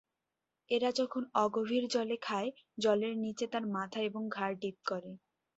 এরা যখন অগভীর জলে খায় জলের নিচে তার মাথা এবং ঘাড় ডিপ করে।